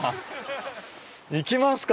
行きますか。